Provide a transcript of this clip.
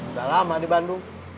udah lama di bandung